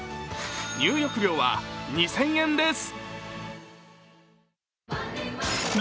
入浴料は２０００円です。